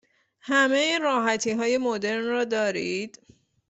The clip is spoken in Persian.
همه راحتی های مدرن را دارید؟